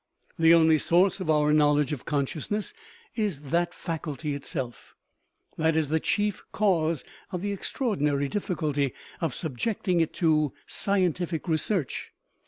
The only source of our knowledge of consciousness is that faculty itself; that is the chief cause of the extraordinary difficulty of subjecting it to scientific research.